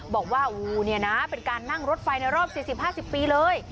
บอกว่าเป็นการนั่งรถไฟในรอบ๔๐๕๐ปีเลย